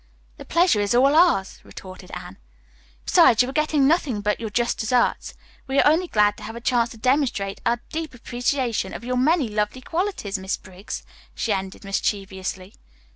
"The pleasure is all ours," retorted Anne. "Besides, you are getting nothing but your just deserts. We are only glad to have a chance to demonstrate our deep appreciation of your many lovely qualities, Miss Briggs," she ended mischievously.